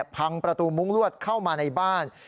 พังประตูมุ้งลวดเข้ามาในบ้าน